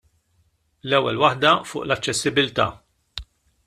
L-ewwel waħda fuq l-aċċessibbilità.